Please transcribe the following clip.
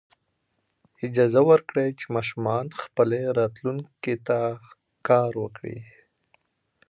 اجازه ورکړئ چې ماشومان خپلې راتلونکې ته کار وکړي.